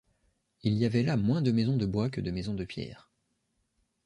Il y avait là moins de maisons de bois que de maisons de pierre.